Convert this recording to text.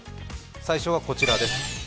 最初はこらちです。